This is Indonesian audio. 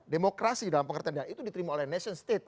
demokrasi dalam pengertian itu diterima oleh nation state